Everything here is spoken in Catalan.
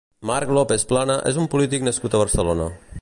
Marc López Plana és un polític nascut a Barcelona.